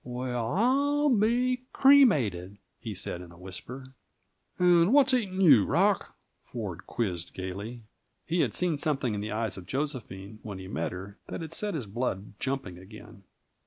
"Well I'll be cremated!" he said in a whisper. "And what's eating you, Rock?" Ford quizzed gayly. He had seen something in the eyes of Josephine, when he met her, that had set his blood jumping again.